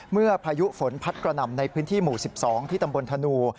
พายุฝนพัดกระหน่ำในพื้นที่หมู่๑๒ที่ตำบลธนู